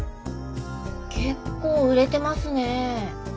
結構売れてますねえ。